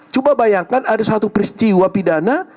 coba bayangkan ada satu peristiwa pidana